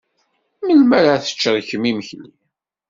Melmi ara teččeḍ kemm imekli?